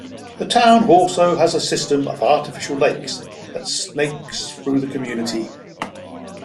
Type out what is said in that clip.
The town also has a system of artificial lakes that snakes through the community.